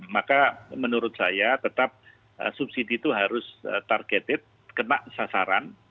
maka menurut saya tetap subsidi itu harus targeted kena sasaran